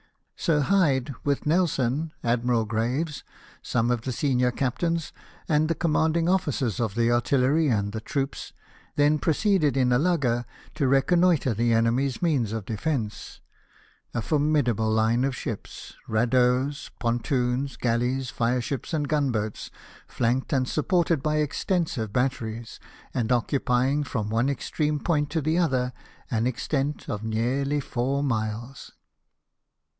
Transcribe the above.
Sir Hyde, with Nelson, Admiral Graves, some of the senior captains, and the com manding oflicers of the artillery and the troops, then proceeded in a lugger to reconnoitre the enemy's means of defence — a formidable line of ships, radeaus, pontoons, galleys, fire ships, and gunboats, flanked and supported by extensive batteries, and occupying, from one extreme point to the other, an extent of nearly four miles.